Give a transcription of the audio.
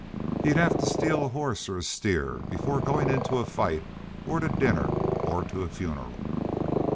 He'd have to steal a hoss or a steer before goin' into a fight or to dinner or to a funeral."